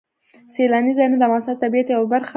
سیلاني ځایونه د افغانستان د طبیعت یوه برخه ده.